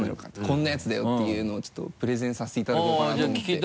こんなやつだよっていうのをちょっとプレゼンさせていただこうかなと思って。